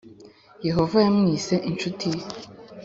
Yehova yamwise incuti ye